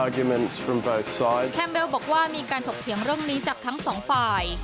แมมเบลบอกว่ามีการถกเถียงเรื่องนี้จากทั้งสองฝ่าย